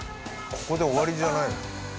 ここで終わりじゃないの？